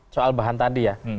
soal bahan tadi ya